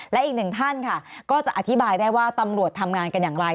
และอีกหนึ่งท่านค่ะก็จะอธิบายได้ว่าตำรวจทำงานกันอย่างไร